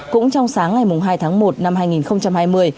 cũng trong sáng ngày hai tháng một năm hai nghìn hai mươi